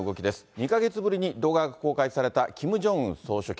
２か月ぶりに動画が公開されたキム・ジョンウン総書記。